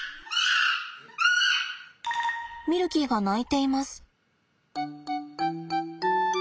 ミルキーが鳴いています。